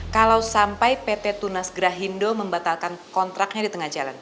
kalau sampai pt tunas gerah hindu membatalkan kontraknya di tengah jalan